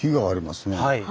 はい。